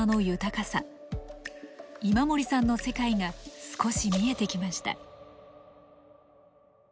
今森さんの世界が少し見えてきました。